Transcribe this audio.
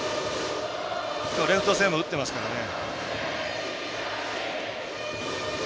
今日レフト線も打ってますからね。